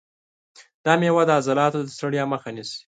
دا مېوه د عضلاتو د ستړیا مخه نیسي.